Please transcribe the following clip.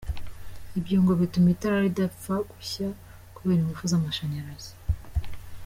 Ibyo ngo bituma itara ridapfa gushya kubera ingufu z’amashanyarazi.